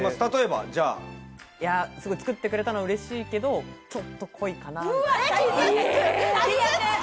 作ってくれたのは嬉しいけど、ちょっと濃いかな。